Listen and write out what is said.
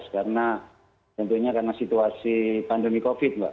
karena tentunya karena situasi pandemi covid pak